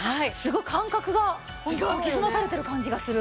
研ぎ澄まされてる感じがする。